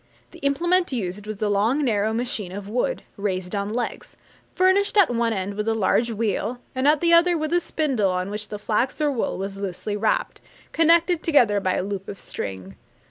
The implement used was a long narrow machine of wood, raised on legs, furnished at one end with a large wheel, and at the other with a spindle on which the flax or wool was loosely wrapped, connected together by a loop of string.